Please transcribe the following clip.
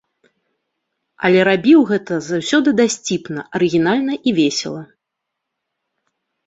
Але рабіў гэта заўсёды дасціпна, арыгінальна і весела.